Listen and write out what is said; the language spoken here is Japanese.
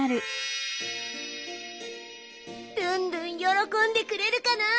ルンルンよろこんでくれるかな？